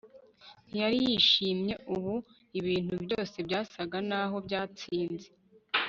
Ntiyari yishimye ubu Ibintu byose byasaga naho byatsinze